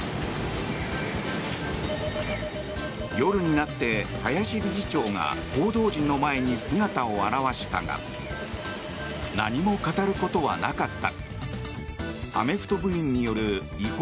夜になって、林理事長が報道陣の前に姿を現したが何も語ることはなかった。